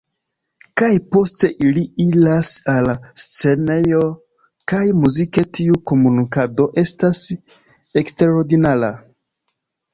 Kaj poste ili iras al scenejo kaj muzike tiu komunikado estas eksterordinara"".